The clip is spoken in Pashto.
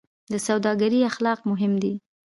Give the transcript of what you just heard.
د سوداګرۍ اخلاق مهم دي